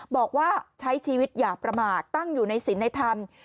บอกว่าใช้ชีวิตอย่างประมาทตั้งอยู่ในศิลป์ในธรรม